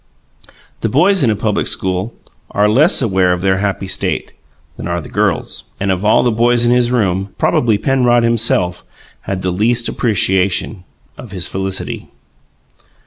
The boys in a public school are less aware of their happy state than are the girls; and of all the boys in his room, probably Penrod himself had the least appreciation of his felicity.